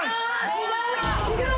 違う？